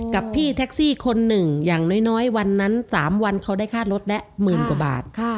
กับที่ท๊อคซี่๑่อย่างน้อยวันนั้น๓วันเขาได้คาดรถน้อยแล้ว๑๐๐๐๐บาท